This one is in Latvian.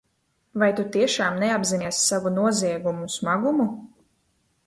Vai tu tiešām neapzinies savu noziegumu smagumu?